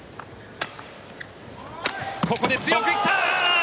ここで強く来た！